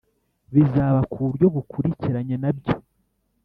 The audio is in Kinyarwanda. bizaba ku buryo bukurikiranye nabyo